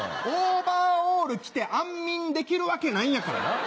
オーバーオール着て安眠できるわけないんやから。